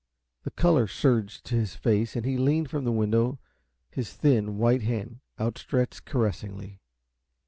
The color surged to his face, and he leaned from the window, his thin, white hand outstretched caressingly.